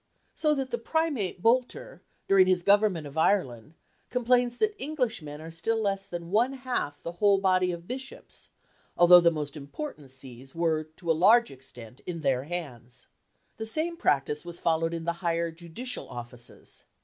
So that the Primate Boulter, during his government of Ireland, complains that Englishmen are still less than one half the whole body of Bishops, although the most important sees were to a large extent in their hands. The same practice was followed in the higher judicial offices.